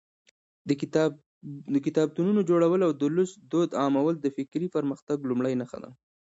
د کتابتونونو جوړول او د لوست دود عامول د فکري پرمختګ لومړۍ نښه ده.